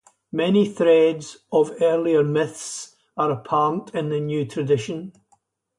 Many threads of earlier myths are apparent in the new tradition.